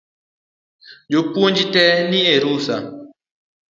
Jopuonje tee ni e rusa